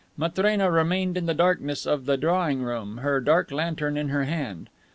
Matrena remained in the darkness of the drawing room, her dark lantern in her hand.